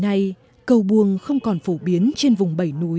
ngày nay cầu buông không còn phổ biến trên vùng bảy nội